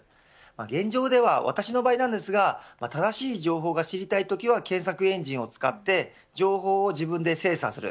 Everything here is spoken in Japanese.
現状では私の場合なんですが正しい情報が知りたいときは検索エンジンを使って情報を自分で精査する。